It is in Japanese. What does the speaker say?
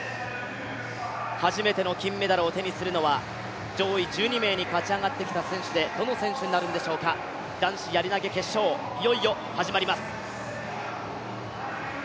初めての金メダルを手にするのは、上位１２名に勝ち上がってきた選手でどの選手になるんでしょうか、男子やり投決勝、いよいよ始まります。